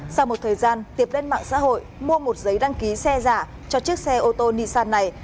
sau một thời gian tiệp lên mạng xã hội mua một giấy đăng ký xe giả cho chiếc xe ô tô nissan này